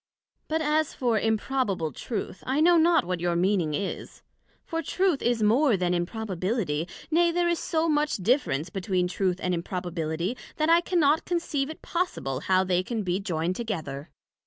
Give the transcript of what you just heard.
But as for Improbable Truth I know not what your meaning is; for Truth is more then Improbability: nay, there is so much difference between Truth and Improbability, that I cannot conceive it possible how they can be joined together.